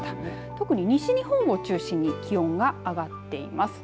特に西日本を中心に気温が上がっています。